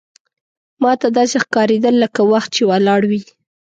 ماته داسې ښکارېدل لکه وخت چې ولاړ وي.